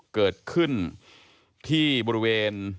เกิดขึ้นที่บริเวณ